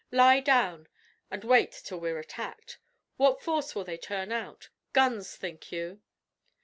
Lie down, and wait till we're attacked. What force will they turn out? Guns, think you?"